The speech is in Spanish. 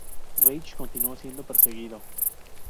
Reich continuó siendo perseguido.